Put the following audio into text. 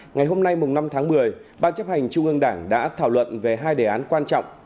ngày hôm nay năm tháng một mươi ban chấp hành trung ương đảng đã thảo luận về hai đề án quan trọng